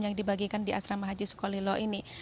yang dibagikan di asrama haji sukolilo ini